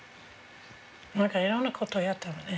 なんかいろんなことをやったよね。